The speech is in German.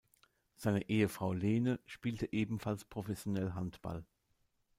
Seine Ehefrau Lene spielte ebenfalls professionell Handball.